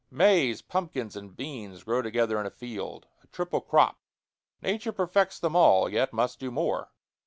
Maize, pumpkins, and beans grow together in a field a triple crop. Nature perfects them all, yet must do more.